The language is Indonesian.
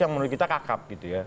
yang menurut kita kakap